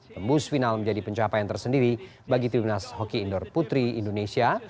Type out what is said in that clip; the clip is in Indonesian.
tembus final menjadi pencapaian tersendiri bagi timnas hoki indoor putri indonesia